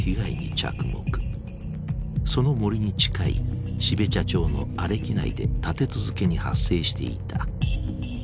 その森に近い標茶町の阿歴内で立て続けに発生していた。